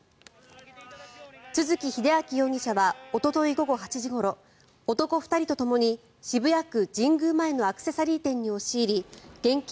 都築英明容疑者はおととい午後８時ごろ男２人とともに渋谷区神宮前のアクセサリー店に押し入り現金